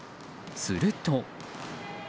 すると。